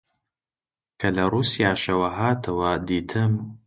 کە لە ڕووسیاشەوە هاتەوە، دیتم